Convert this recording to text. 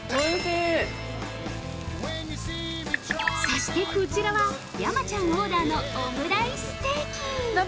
◆そして、こちらは山ちゃんオーダーのオムライステーキ。